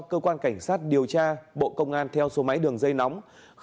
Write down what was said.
cơ quan cảnh sát điều tra bộ công an theo số máy đường dây nóng